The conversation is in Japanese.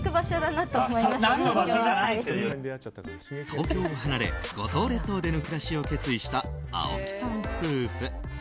東京を離れ、五島列島での暮らしを決意した青木さん夫婦。